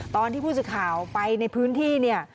ตอนที่ผู้สื่อข่าวไปในพื้นที่เนี่ย